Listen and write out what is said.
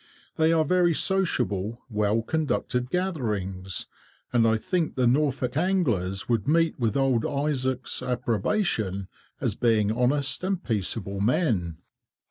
They are very sociable, well conducted gatherings, and I think the Norfolk anglers would meet with old Izaak's approbation, as being honest and peaceable men."